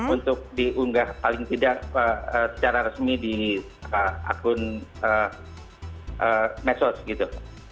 untuk diunggah paling tidak secara resmi di akun medsos gitu